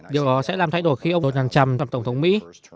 điều đó sẽ làm thay đổi khi ông donald trump làm tổng thống mỹ